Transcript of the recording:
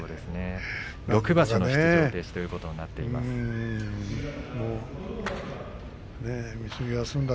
６場所の出場停止ということになっています。